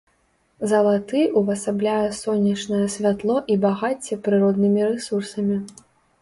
Залаты ўвасабляе сонечнае святло і багацце прыроднымі рэсурсамі.